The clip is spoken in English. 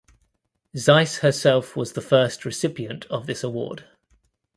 Zeiss herself was the first recipient of this award.